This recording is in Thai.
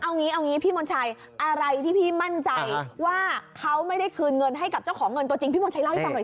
เอางี้เอางี้พี่มนชัยอะไรที่พี่มั่นใจว่าเขาไม่ได้คืนเงินให้กับเจ้าของเงินตัวจริงพี่มนชัยเล่าให้ฟังหน่อย